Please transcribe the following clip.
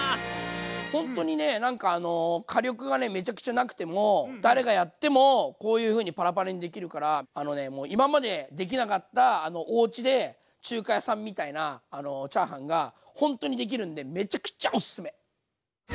ほんとに火力がめちゃくちゃなくても誰がやってもこういうふうにパラパラにできるからあのねもう今までできなかったおうちで中華屋さんみたいなチャーハンがほんとにできるんでめちゃくちゃおすすめ！